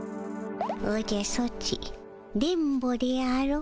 おじゃソチ電ボであろ？